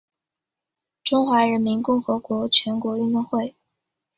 中华人民共和国全国运动会。